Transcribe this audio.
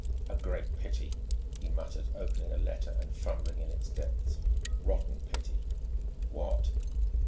"A great pity," he muttered, opening a locker and fumbling in its depths "rotten pity...." "What?"